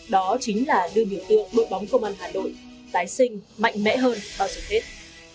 đó chính là đưa biểu tượng đội bóng công an hà nội tái sinh mạnh mẽ hơn bao giờ hết